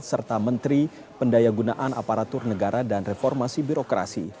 serta menteri pendaya gunaan aparatur negara dan reformasi birokrasi